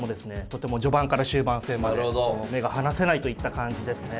とても序盤から終盤戦まで目が離せないといった感じですね。